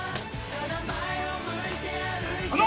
あの！